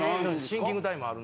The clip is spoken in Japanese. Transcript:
シンキングタイムある？